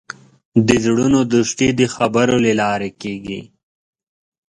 د زړونو دوستي د خبرو له لارې کېږي.